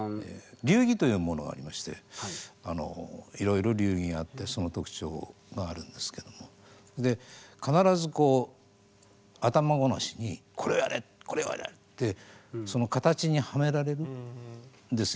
流儀というものがありましていろいろ流儀があってその特徴があるんですけども必ずこう頭ごなしにこれをやれこれをやれってその型にはめられるんですよ。